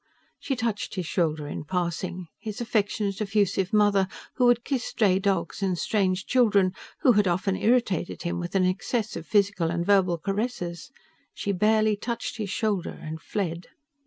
She touched his shoulder in passing his affectionate, effusive mother who would kiss stray dogs and strange children, who had often irritated him with an excess of physical and verbal caresses she barely touched his shoulder and fled.